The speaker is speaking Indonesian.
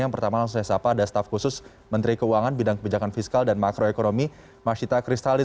yang pertama langsungnya siapa ada staff khusus menteri keuangan bidang kebijakan fiskal dan makroekonomi masyita kristalin